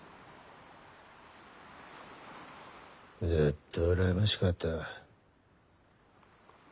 ずっと羨ましかった。